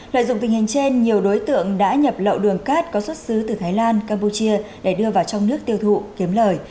lợi dụng tình hình trên nhiều đối tượng đã nhập lậu đường cát có xuất xứ từ thái lan campuchia để đưa vào trong nước tiêu thụ kiếm lời